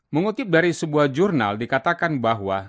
mengutip dari sebuah jurnal dikatakan bahwa